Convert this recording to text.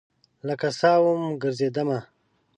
لکه سا وم ګرزیدمه